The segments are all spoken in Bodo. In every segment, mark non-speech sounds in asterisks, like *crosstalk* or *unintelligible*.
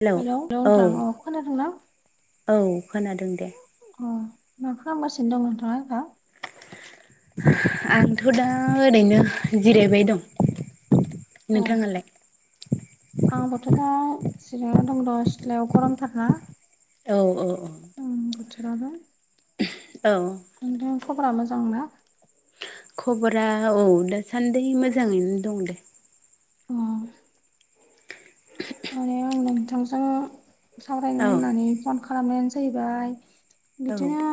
हेल'औ हेलौ हेलौ औ नोंथां अ खोनादोंना औ खोनादों दे। अ मा खालामगासिनो दं नोंथाङा दा? आंथ' दा ओरैनो जिरायबाय दं औ नोंथाङालाय? आंबोथ' दा जिरायना दं र सिथ्लायाव गरमथारना। औ औ औ उम बोथोराबो। औ नोंथांआ खबरा मोजां ना? खबरा औ दासान्दि मोजाङैनो दं दे। अ माने आं नोंथांजों सावरायनो औ होननानै फन खालामनायानो जाहैबाय औ बिदिनो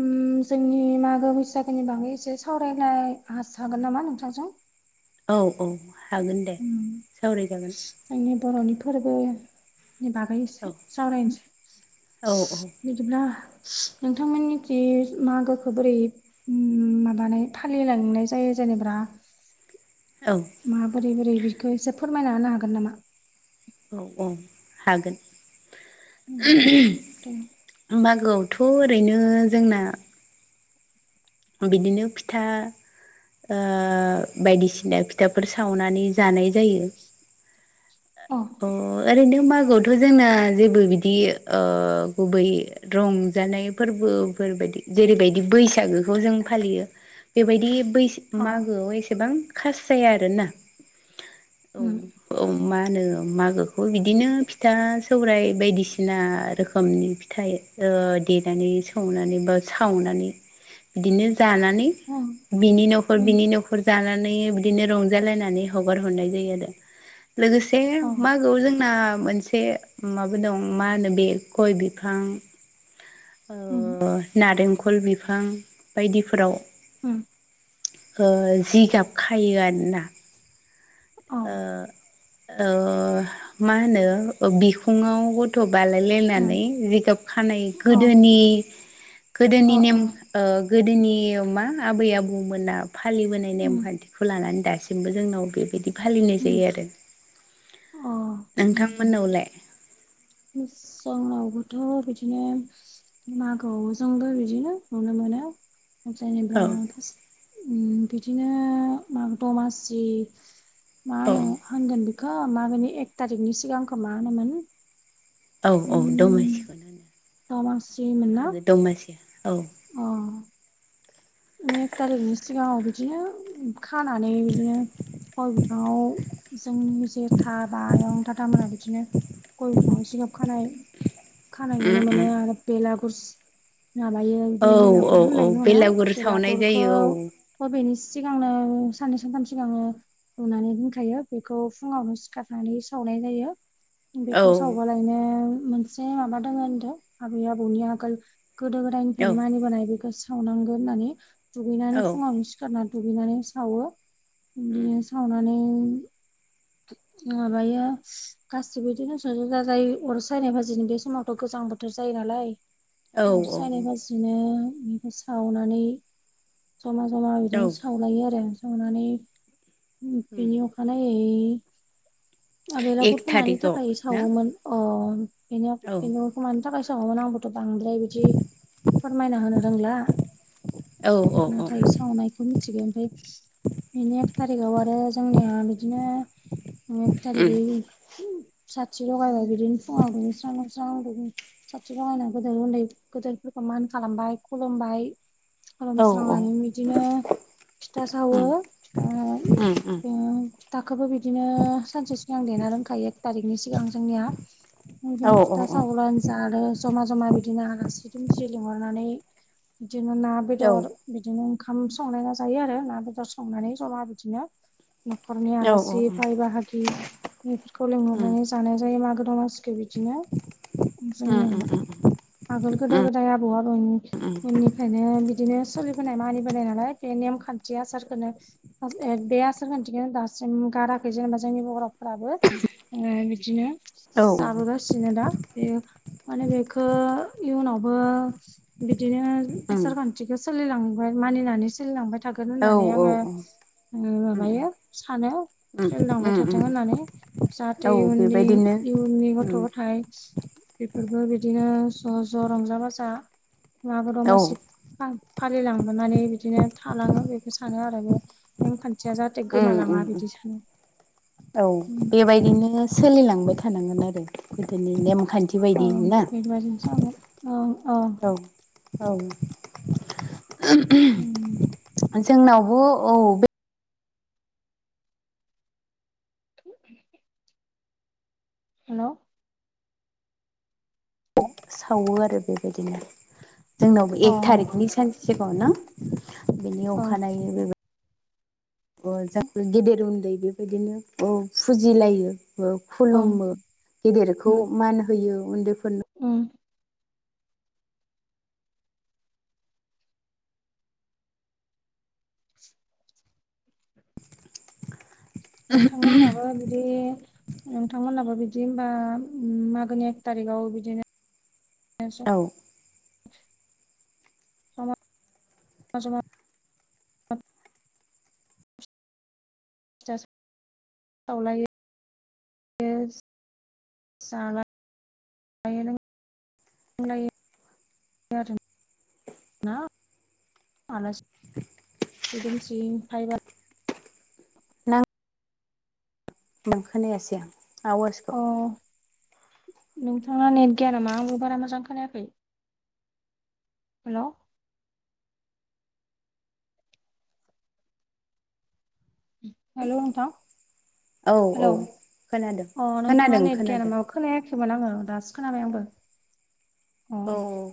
उम जोंनि मागो बैसागोनि बागै एसे सावरायलाय हागोन नामा नोंथांजों? औ औ हागोन दे उम सावरायजागोन। जोंनि बर'नि फोरबो बागै एसे औ सावरायनोसै। औ औ बिदिब्ला नोंथांमोननिथिं मागोखो बोरै उम माबानाय फालिलांनाय जायो जेनेबा। औ माबोरै बोरै बोरै बिखो एसे फोरमायना होनो हागोन नामा? औ औ हागोन। दे मागोआवथ' ओरैनो जोंना बिदिनो फिथा ओ बायदिसिना फिथाफोर सावनानै जानाय जायो। अ अ ओरैनो मागोआवथ' जोंना जेबो बिदि ओ गुबै रंजानाय फोरबोफोरबायदि जेरैबायदि बैसागोखौ जों फालियो। बेबायदि बैसा अ मागोआव एसेबां खास जाया आरोना औ उम औ मा होनो? मागोखौ बिदिनो फिथा सौराइ बायदिसिना रोखोमनि फिथाइ देनानै सौनानै बा सावनानै बिदिनो जानानै उम बिनि न'खर उम बिनि न'खर फोर जानानै बिदिनो रंजालायनानै हगार हरनाय जायो आरो लोगोसे अ मागोआव जोंना मोनसे माबा दं मा होनो बे गय बिफां उम ओ नारेंखल बिफां बायदिफोराव उम। ओ जिगाब खायो आरोना। अ ओ ओ मा होनो ओ बिखुङाव थ' उम बालायलायनानै रिगाब खानाय अ गोदोनि अ गोदोनि नेम। ओ गोदोनि मा आबै आबौमोना फालिबोनाय उम नेमखान्थिखौ लानानै दासि बो जोंनाव बेबायदि फालिनाय उम जायो आरो। अ नोंथांमोननावलाय? समावबोथ' बिदिनो मागोआव जोंबो बिदिनो नुनो मोनो। जेनेबा औ फास उम बिदिनो माग दमासि। मा होनो औ होनगोन बिखो मागोनि एक थारिगनि सिगांखौ मा होनोमोन? औ औ उम दमासिखौनो होनो दमासिमोन ना माहागो दमासि औ। अ एक थारिगनि सिगाङाव बिदिनो खानानै बिदिनो गय बिफाङाव जोंनि जेथाबा आयं दादा मोनहा बिदिनो गय बिफाङाव जिगाब खानाय खानाय उम नुनो मोनो उम आरो बेलागुर माबायो औ बिदिनो औ बेलागुर औ होननाय दङ ना बेलागुर सावनाय बेलागुरखौ जायो औ थ' बेनि सिगांनो साननै सानथाम सिगांनो लुनानै दोनखायो बेखौ फुङावनो सिखारनानै सावनाय जायो। औ बेखौ सावबालायनो मोनसे माबा दङ होनदों आबै आबौनि आगोल गोदो गोदाय औ निफ्रायनो मानिबोनाय बेखौ सावनांगोन होननानै दुगैनानै औ फुङाव खारना दुगैनानै सावो बिदिनो सावनानै माबायो गासिबो इदिनो ज'ज'जा-जाय अर सायनाय बाजिनो बे समावथ' गोजां बोथोर जायो नालाय। औ अर सायनाय बाजिनो बेखौ सावनानै जमा जमा औ बिदिनो सावलायो आरो। सावनानै बेनि अखानायै। ओ एक बेलागुरफोरखौ मानि थारिखआव थाखाय ना सावोमोन अ बेनि औ मानि थाखाय सावामोन आंबोथ' बांद्राय बिदि फोरमायना होनो रोंला। औ औ औ नाथाय औ सावनायखो मि मिथिगो ओमफाय बेनि एक थारिगाव आरो जोंनिया बिदिनो उम एक थारिगै उम साथि लगायबाय बिदिनो फुङाव दुगैस्रां लोबस्रां बिदि साथि लगायना गेदोर उन्दै गोदोरफोरखो मान खालामबाय खुलुमबाय। औ औ खालाममस्रांनानै बिदिनो फिथा सावो। फिथा उम उम। उम फिथाखोबो बिदिनो सानसे सिगां देना दोनखायो एक तारिकनि सिगां जोंनिया। आंजोनो फिथा‌ सावना जादो। जमा जमा बिदिनो आलासि दुमसि लिंहरनानै बिदिनो ना बेदर। बिदिनो ओंखाम संलायना जायो आरो ना बेदर संनानै जमा बिदिनो। न'खरनि आलासि बाय बाहागि बेफोरखौ लिंहरनानै जों जानाय जायो मागो दमासिखो बिदिनो जोंनियाव। आगोल गोदो गोदाय आबौ आबौनि उननिफ्रायनो बिदिनो सोलिबोनाय मानिबोनाय नालाय बे नेमखान्थि आसारखोनो बे आसार खान्थिखोनो दासिम गाराखै। जेनेबा जोंनि बर'फोराबो ओ बिदिनो जाबोगासिनो दा। बे माने बेखो इयुनावबो बिदिनो आसार खान थिखो सोलांबाय मानिनानै सोलिलांबाय थागोन होननानै आङो उम माबायो सानो। सोलिलांबाय थाथों होननानै जाहाथे इयुननि बेबायदिनो इयुननि गथ' गथाइ बेफोरबो बिदिनो ज' ज' रंजा बाजा मागो औ दमासि फा फालिलांबोनानै बिदिनो थालाङो बेखो सानो आरो बे। नेमखान्थिया जाहाथे उम उम गोमालाङा उम बिदि सानो औ बेबायदिनो सोलिलांबाय थानांगोन आरो गोदोनि नेमखान्थि औ बायदि ना बेबादिनो जागोन औ औ उम औ जोंनावबो औ बे *inaudible* हेल' सावो आरो बेबायदिनो जोंनावबो औ एक थारिकनि सानसे सिगाङाव ना बिनि औ अखानायै लो अ जा गेदेर उन्दै बेबायदिनो अ फुजिलायो बो खुलुमो गेदेरखौ उम मान होयो उन्दैफोरनो उम नोंथांमोनाबो बिदि नोंथांमोनहाबो बिदि हबा मागोनि एक थारिखाव बिदिनो *unintelligible* औ *unintelligible* फिथा सावलायो *unintelligible* जालायो *unintelligible* *unintelligible* आलासि मानसि दुमसि फायबा मोजां खोनायासै आं आवास अह नोंथाङा नेट गैया नामा आंबो बारा मोजां खोनायाखै। हेल' हेल नोंथां औ औ हेल' खोनादों अ नोंथां ना खोनादों नेट गैया खोनादों नामा खोनायाखैमोन आङो दासो खोनाबाय आंबो अ औ औ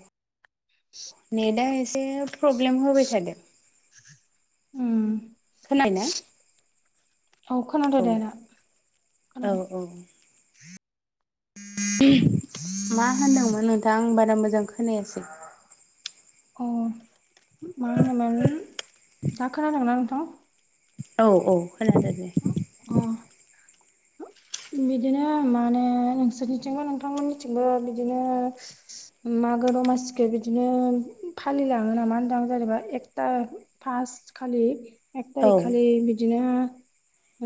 नेटआ एसे प्रब्लेम होबाय थादों उम खोनायोना औ खोनादों औ औ औ मा होनदोंमोन नोंथां आं बारा मोजां खोनायासै अ मा होनोमोन दा खोनादोंना नोंथां औ औ खोनादो दे अ बिदिनो माने नोंसोरनिथिंबो नोंथांमोननिथिंबो बिदिनो मागो दमासिखौ बिदिनो फालिलाङो नामा होनदों जेनेबा एकथा फारस्ट खालि एक औ थारिक खालि बिदिनो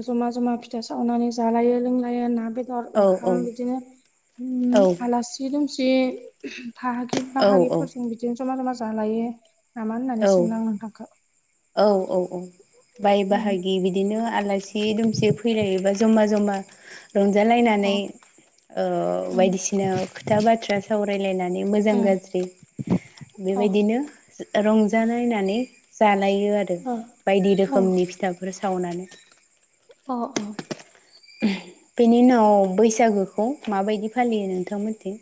जमा जमा फिथा सावनानै जालायो लोंलायो ना बेदर औ ओंखाम औ बिदिनो औ आलासि दुमसि फाहागि बाहागिफोरजों बिदिनो जमा जमा जालायो नामा होननानै औ सोंदों आं नोंथांखौ औ औ औ बाय बाहागि बिदिनो आला सि दुमसि फैलायोबा जमा जमा अ रंजालायनानै उम बायदिसिना खोथा बाथ्रा सावरायलायनानै मोजां उम गाज्रि अ बेबायदिनो रंजालायनानै लायो आरो बायदि ओ औ रोखोमनि फिथाफोर सावनानै अ अ बेनि उनाव बैसागोखौ माबायदि फालियो नोंथांमोनथिं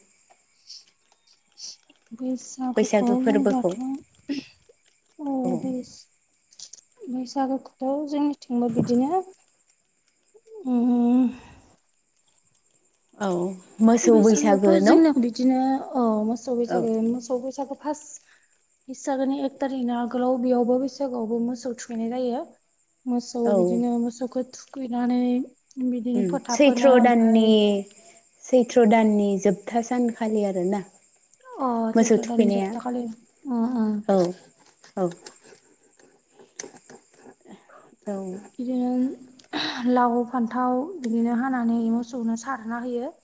बैसागुखौ बैसागो फोरबोखौ बुंबाथ' अ औ बै बैसागोखौथ' जोंनिथिंबो बिदिनो उम। औ। मोसौ बैसागो बैसागोआवथ' न' जोंनियाव बिदिनो औ मोसौ औ बैसागो मोसौ बैसागु फास्त। बैसागोनि एक थारिख आगोलाव बेयावबो बैसागोआवबो मोसौ थुखैनाय जायो। मोसौ औ बिदिनो मोसौखौ थुखैनानै बिदिनो फोथा फोनो सैथ्र ओमफाय दाननि सैथ्र दाननि जोबथा सानखालि आरो ना। अ मोसौ सैथ्र' दाननि थुखैनाया जोबथा खालि उम उम औ औ। औ। बिदिनो लाव फान्थाव बिदिनो हानानै मोसौनो सारना होयो।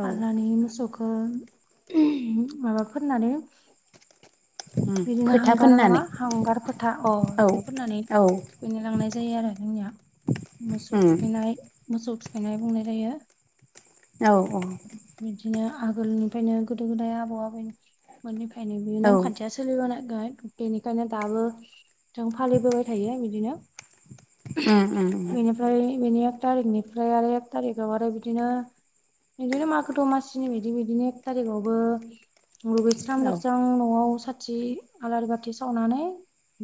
औ सारनानै मोसौखौ *unintelligible* माबा फोननानै उम बिदिनो फोथा हांगार नङा फोननानै हांगार फोथा औ बिदि फोननानै औ थुखैनो लांनाय जायो आरो जोंनिया मोसौ उम थुखैनाय मोसौ थुखैनानै बुंनाय जायो। औ औ। बिदिनो आगोलनिफायनो गोदो गोदाय आबौ आबौमोननिफायनो बेयो औ नेमखान्थि सोलिबोनायखाय बेनिखायनो दाबो जों फालिबोबाय थायो बिदिनो उम उम। *unintelligible* ओमफ्राय बेनि एक थारिकनिफ्राय आरो एक थारिकाव आरो बिदिनो बिदिनो मागो दमासिनि बिदि बिदिनो एक थारिगावबो दुगैस्राम औ लोबस्रां न'आव साथि आलारि बाथि सावनानै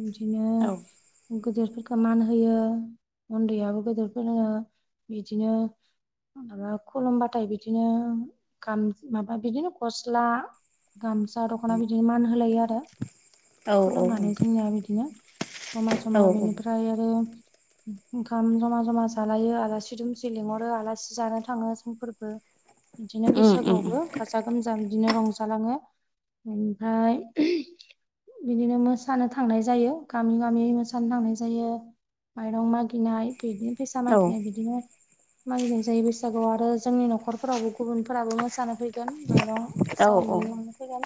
बिदिनो औ गिदिरफोरखौ मान होयो, उन्दैयो गोदोर फोरोङो बिदिनो माबा खुलुमबाथाय बिदिनो गाम माबा बिदिनो गस्ला गामसा दख'ना बिदिनो मान होलायो आरो। औ खुलुमनानै जोंनिया बिदिनो जमा औ जमा उम बिनिफ्राय आरो ओंखाम जमा जमा जालायो आलासि दुमसि लिंहरो आलासि जानो थाङो जोंफोरबो बिदिनो उम उम बैसागुआवबो गाजा गोमजा बिदिनो रंजालाङो ओमफ्राय *inaudible* बिदिनो मोसानो थांनाय जायो गामि गामि मोसानो थांनाय जायो। माइरं मागिनाय बिदिनो फैसा मागिनाय औ बिदिनो मागिनाय जायो बैसागुआव आरो जोंनि न'खर फोरावबो गुबुनफोराबो मोसानो फैगोन माइरं औ फैसा औ बिनो लांनो फैगोन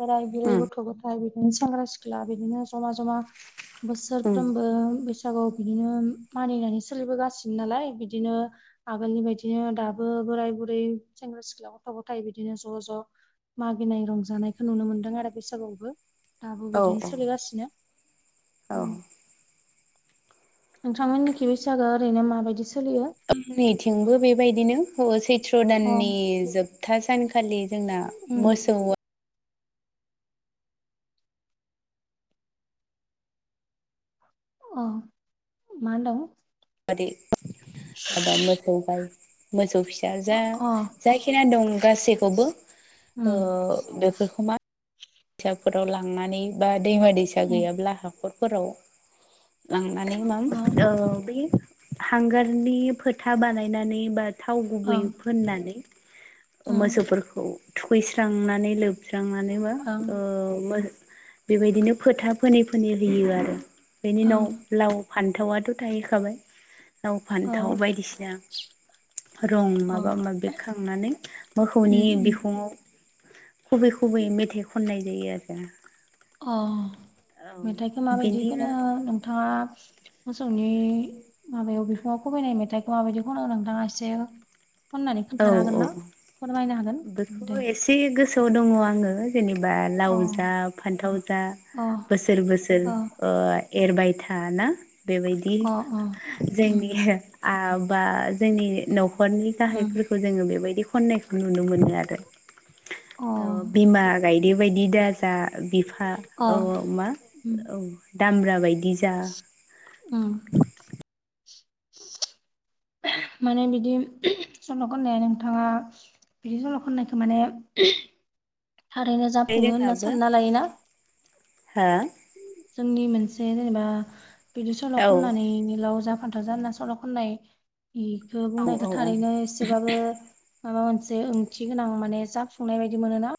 बोराय बुरै उम गथ'। गथ' गथाय बिदिनो सेंग्रा सिख्ला बिदिनो जमा जमा उम बोसोरफ्रोमबो बि बैसागुआव बिदिनो मानिनानै सोलिबोगासिनो नालाय बिदिनो आगोलनि बायदिनो दाबो बोराय बुरै सेंग्रा सिख्ला गथ' गथाय बिदिनो ज' ज'। मागिनाय रंजानायखौ नुनो मोन्दों आरो। बैसागुआवबो दाबो औ बिदिनो सोलिगासिनो। औ नोंथांमोननिखि बैसागोआ ओरैनो माबायदि सो जोंनिथिंबो बेबायदिनो सैथ्र' अ दाननि जोबथा सानखालि जोंना। उम मोसौ। अ मा होनदों। मादि माबा मोसौ गाय। मोसौ फिसा अ जों अ जायखिना दं गासैखौबो उम ओ बेफोरखौ मा साफोराव लांनानै बा दैमा दैसा उम गैयाब्ला हाखरफोराव लांनानै मा अ ओ बे हांगारनि फोथा बानायनानै बा थाव गुबै ओं फोननानै ओं मोसौफोरखौ थुखैस्रांनानै लोबस्रांनानैबो‌ ओ ओं मो बेबायदिनो फोथा फोनै फोनै होयो आरो बेनि उनाव ओं लाव फानथावाथ' थाहैखाबाय लाव अ फानथाव बायदिसिना रं माबा माबि खांनानै मोखौनि उम उम बिखुङाव खुबै खुबै मेथाइ खननाय जायो आरोना अ मेथाइखौ औ माबायदि बेनि खोनो नोंथाङा मोसौनि माबायाव बिखुङाव खुबैनाय मेथाइखौ माबायदि खनो नोंथाङा एसे खनननानै औ खोन्थानो हागोन औ ना फोरमायनो हागोन बेखौ दे एसे गोसोयाव दङ आङो जेनेबा लाव अ जा फानथाव जा अ बोसोर बोसोर अ ओ एरबाय था ना बेबायदि अ अ उम जोंनि आ बा जोंनि नखरनि गाहाइ उम जोङो बेबायदि खननायखौ नुनो मोनो आरो अ बिमा गाय दे बायदि दाजा बिफा अ औ औ मा उम औ दामब्रा बायदि जा उम *inaudible* माने बिदि सल' खननाया नोंथाङा बिदि सल' खननायखौ माने *unintelligible* थारैनो *unintelligible* जाफुङो होनना जोंनाबो सानना लायोना हो जोंनि मोनसे जेनेबा बिदि सल' औ औ खननानैनो लाव जा फानथाव जा सल' खननाय इखौ बुंनायखौ औ औ थारैनो एसेबाबो माबा मोनसे ओंथि गोनां माने जाफुंनाय बायदि मोनो ना